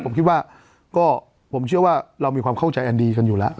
ผมคิดว่าก็ผมเชื่อว่าเรามีความเข้าใจอันดีกันอยู่แล้ว